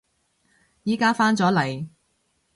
而家返咗嚟